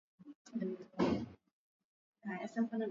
kwa kocha kuna mkocha mwengine anataka misingi hii na misingi ile